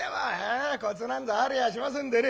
「あコツなんぞありゃしませんでね